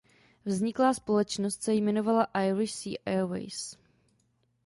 Vzniklá společnost se jmenovala Irish Sea Airways.